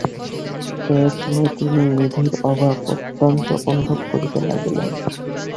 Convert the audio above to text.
এই সময়ে তিনি নিধির অভাব অত্যন্ত অনুভব করিতে লাগিলেন।